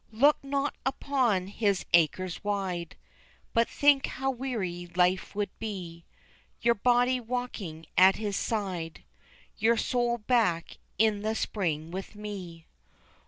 Look not upon his acres wide, But think how weary life would be, Your body walking at his side, Your soul back in the spring with me.